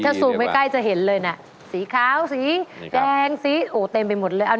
ถ้าซูมใกล้จะเห็นเลยนะสีขาวสีแดงสีเต็มไปหมดเลย